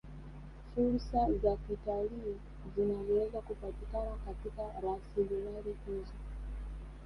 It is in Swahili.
Fursa za kitalii zinazoweza kupatikana katika rasimali hizo